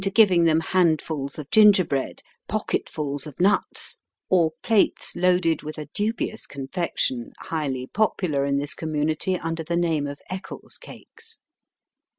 15 giving them handfuls of gingerbread, pocket Ms of nuts, or plates loaded witli a dubious confection highly popular in this community under the name of Eccles cakes.